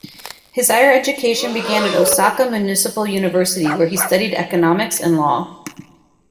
His higher education began at Osaka Municipal University, where he studied Economics and Law.